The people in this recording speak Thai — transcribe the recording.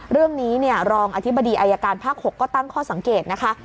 เรื่องนี้รองอธิบดีอายการภาค๖ก็ตั้งข้อสังเกตนะคะ